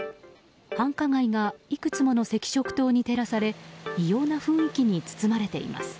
繁華街がいくつもの赤色灯に照らされ異様な雰囲気に包まれています。